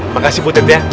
makasih putri ya